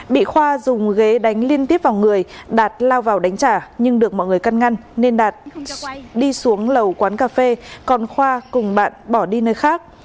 bị khoa dùng ghế đánh liên tiếp vào người đạt lao vào đánh trả nhưng được mọi người căn ngăn nên đạt đi xuống lầu quán cà phê còn khoa cùng bạn bỏ đi nơi khác